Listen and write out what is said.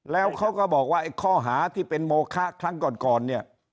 แล้วเขาก็บอกว่าไอ้ข้อหาที่เป็นโมคะครั้งก่อนเนี่ย